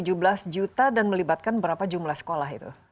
jadi kalau dihitung tujuh belas juta dan melibatkan berapa jumlah sekolah itu